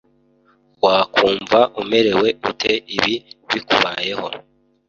wakumva umerewe ute ibi bikubayeho